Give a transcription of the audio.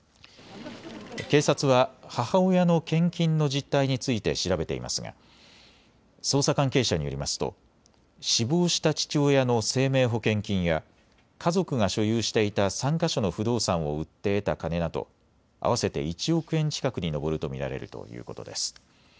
警察は母親の献金の実態について調べていますが捜査関係者によりますと死亡した父親の生命保険金や家族が所有していた３か所の不動産を売って得た金など合わせて１億円近くに上ると見られるということです。